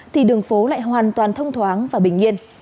thì đường phố lại hoàn toàn thông thoáng và bình yên